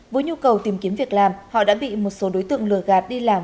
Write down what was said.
với nhu cầu tìm kiếm việc làm họ đã bị một số đối tượng lừa gạt đi làm